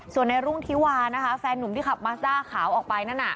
ส่วนในรุ่งธิวานะคะแฟนหนุ่มที่ขับมัสด้าขาวออกไปนั่นน่ะ